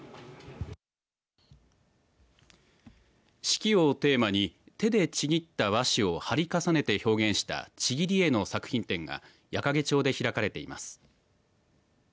四季をテーマに手でちぎった和紙を貼り重ねて表現したちぎり絵の作品展が矢掛町で開かれています。